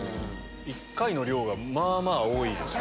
１回の量がまぁまぁ多いです。